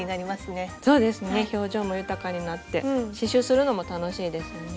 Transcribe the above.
そうですね表情も豊かになって刺しゅうするのも楽しいですよね。